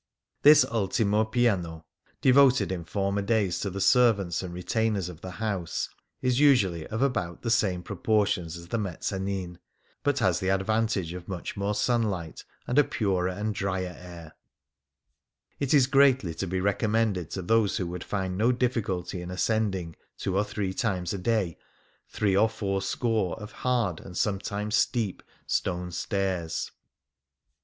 This ultimo piano, devoted in former days to the servants and retainers of the house, is usually of about the same proportions as the mezzanin, but has the advantage of much more sunlight and a purer and drier air ; it is greatly to be recom mended to those who would find no difficulty in ascending, two or three times a day, three or four score of hard, and sometimes steep, stone stairs.